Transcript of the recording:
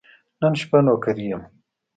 نن شپه نوکري یم .